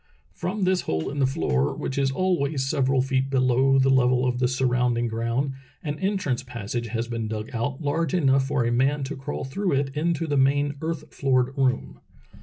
From this hole in the floor, which is always several feet below the level of the surrounding ground, an entrance passage has been dug out large enough for a man to crawl through it into the main earth floored room.